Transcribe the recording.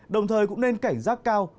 đồng thời cũng nên cảnh giác cao